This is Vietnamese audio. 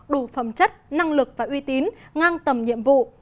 đủ phẩm chất năng lực và uy tín ngang tầm nhiệm vụ